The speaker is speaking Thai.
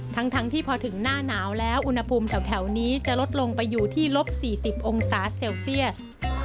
ทั้งที่พอถึงหน้าหนาวแล้วอุณหภูมิแถวนี้จะลดลงไปอยู่ที่ลบ๔๐องศาเซลเซียส